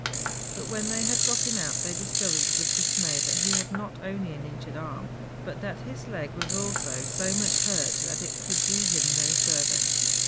But when they had got him out, they discovered with dismay that he had not only an injured arm, but that his leg also was so much hurt that it could do him no service.